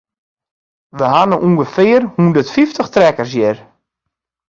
We ha no ûngefear hondert fyftich trekkers hjir.